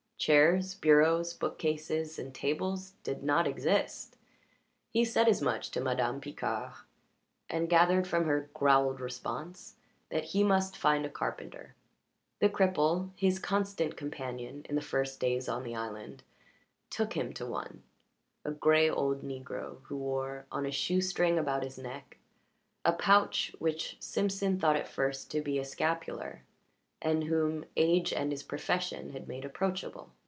Chairs, bureaus, bookcases, and tables did not exist. He said as much to Madame Picard, and gathered from her growled response that he must find a carpenter. The cripple, his constant companion in his first days on the island, took him to one a gray old negro who wore on a shoe string about his neck a pouch which Simpson thought at first to be a scapular, and whom age and his profession had made approachable.